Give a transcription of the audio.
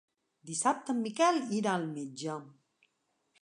Dissabte en Miquel irà al metge.